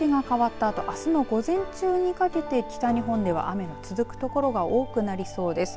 日付が変わったとあすの午前中にかけて北日本では雨続くところが多くなりそうです。